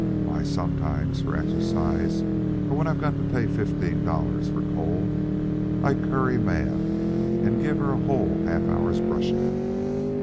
Why, sometimes, for exercise, or when I've got to pay fifteen dollars for coal, I curry Mab and give her a whole half hour's brushing.